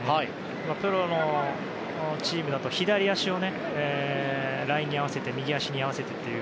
プロのチームだと左足をラインに合わせて右足に合わせてっていう。